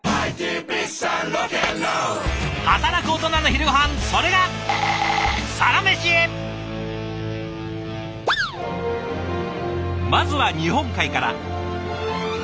働くオトナの昼ごはんそれがまずは日本海から。